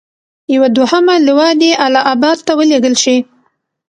یوه دوهمه لواء دې اله اباد ته ولېږل شي.